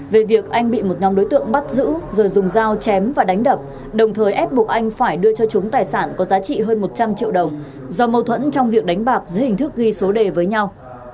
về việc anh bị một nhóm đối tượng bắt giữ rồi dùng dao chém và đánh đập đồng thời ép buộc anh phải đưa cho chúng tài sản có giá trị hơn một trăm linh triệu đồng do mâu thuẫn trong việc đánh bạc dưới hình thức ghi số đề với nhau